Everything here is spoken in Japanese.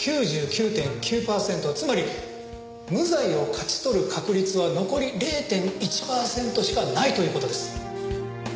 つまり無罪を勝ち取る確率は残り０．１パーセントしかないという事です。